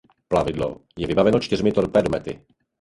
Plavidlo je vybaveno čtyřmi torpédomety.